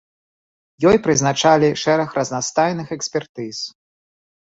Ёй прызначылі шэраг разнастайных экспертыз.